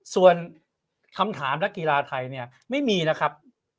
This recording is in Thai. ส่วนคำถามนักกีฬาไทยเนี่ยไม่มีนะครับ